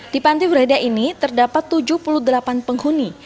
di panti breda ini terdapat tujuh puluh delapan penghuni